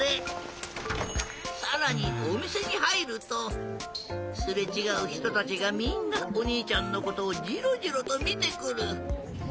さらにおみせにはいるとすれちがうひとたちがみんなおにいちゃんのことをジロジロとみてくる！